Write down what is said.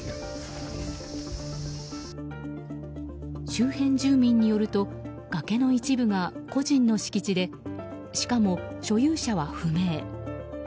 周辺住民によると、崖の一部が個人の敷地でしかも所有者は不明。